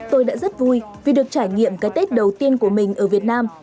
tôi đã rất vui vì được trải nghiệm cái tết đầu tiên của mình ở việt nam